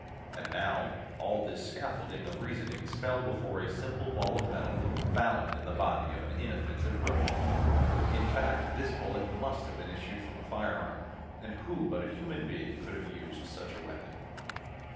And now, all this scaffolding of reasonings fell before a simple ball of metal, found in the body of an inoffensive rodent! In fact, this bullet must have issued from a firearm, and who but a human being could have used such a weapon?